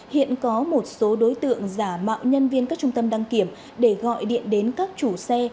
hiện có một số đối tượng giả mạo nhân viên các trung tâm đăng kiểm để gọi điện đến các chủ xe